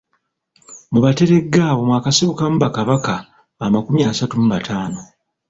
Mu Bateregga abo mwakasibukamu Bakabaka amakumi asatu mu bataano.